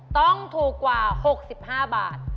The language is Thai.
ต้องถูกกว่า๖๕บาท